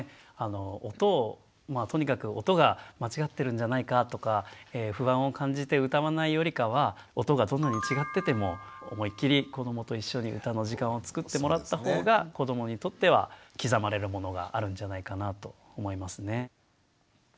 音をまあとにかく音が間違ってるんじゃないかとか不安を感じて歌わないよりかは音がどんなに違ってても思いっきり子どもと一緒に歌の時間をつくってもらったほうが子どもにとっては刻まれるものがあるんじゃないかなと思いますね。